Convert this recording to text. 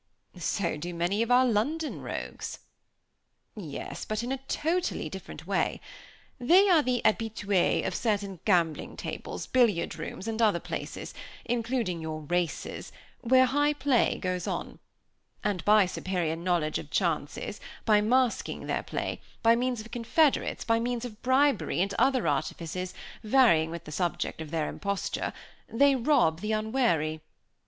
"So do many of our London rogues." "Yes, but in a totally different way. They are the habitués of certain gaming tables, billiard rooms, and other places, including your races, where high play goes on; and by superior knowledge of chances, by masking their play, by means of confederates, by means of bribery, and other artifices, varying with the subject of their imposture, they rob the unwary.